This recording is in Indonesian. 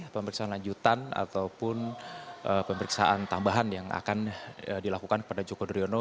pemeriksaan lanjutan ataupun pemeriksaan tambahan yang akan dilakukan kepada joko driono